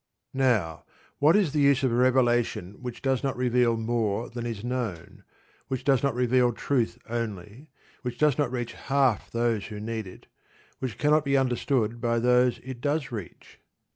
Now, what is the use of a revelation which does not reveal more than is known, which does not reveal truth only, which does not reach half those who need it, which cannot be understood by those it does reach?